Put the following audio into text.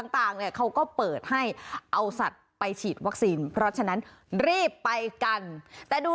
ต่างเนี่ยเขาก็เปิดให้เอาสัตว์ไปฉีดวัคซีนเพราะฉะนั้นรีบไปกันแต่ดู